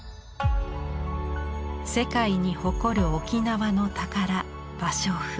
世界に誇る沖縄の宝芭蕉布。